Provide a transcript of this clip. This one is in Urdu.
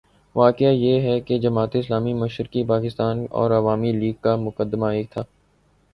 واقعہ یہ ہے کہ جماعت اسلامی مشرقی پاکستان اور عوامی لیگ کا مقدمہ ایک تھا۔